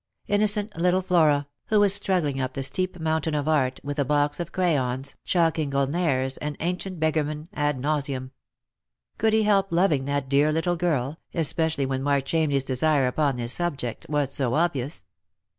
Innocent little Flora, who was struggling up the steep mountain of art, with a box of crayons, chalking Gulnares and ancient beggarmen ad nauseam. Could he help loving that dear little girl, especially when Mark Chamney's desire upon this subject was so obvious